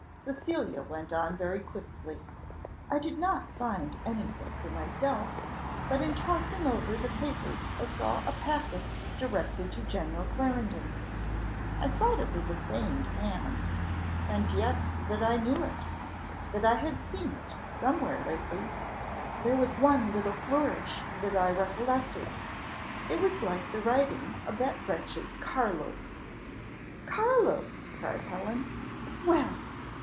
Cecilia went on very quickly. "I did not find anything for myself; but in tossing over the papers I saw a packet directed to General Clarendon. I thought it was a feigned hand and yet that I knew it that I had seen it somewhere lately. There was one little flourish that I recollected; it was like the writing of that wretched Carlos." "Carlos!" cried Helen: "well!"